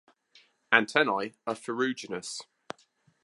Antennae are ferruginous.